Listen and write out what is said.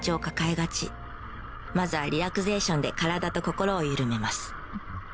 まずはリラクゼーションで体と心を緩めます。